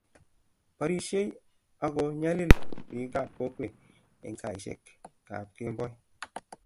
barishei, ago nyalil biikap kokwet eng saishekab kemboi